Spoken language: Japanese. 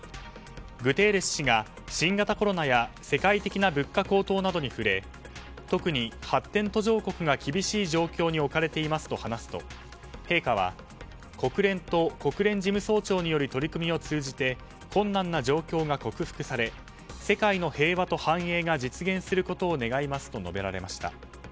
グテーレス氏が新型コロナや世界的な物価高騰などに触れ特に発展途上国が厳しい状況に置かれていますと話すと陛下は、国連と国連事務総長による取り組みを通じて困難な状況が克服され世界の平和と繁栄が実現することを願いますと述べられました。